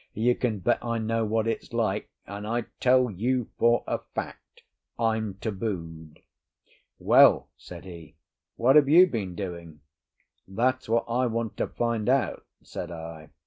You can bet I know what it's like; and I tell it you for a fact, I'm tabooed." "Well," said he, "what have you been doing?" "That's what I want to find out," said I.